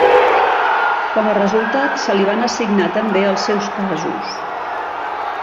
Com a resultat, se li van assignar també els seus casos.